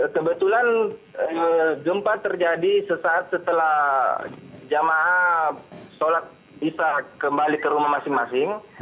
kebetulan gempa terjadi sesaat setelah jamaah sholat bisa kembali ke rumah masing masing